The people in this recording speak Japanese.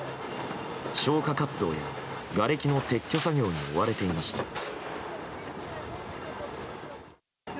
消火活動やがれきの撤去作業に追われていました。